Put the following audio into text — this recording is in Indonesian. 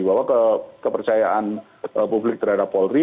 bahwa kepercayaan publik terhadap polri